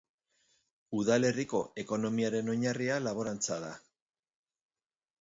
Udalerriko ekonomiaren oinarria laborantza da.